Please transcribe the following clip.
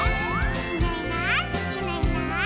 「いないいないいないいない」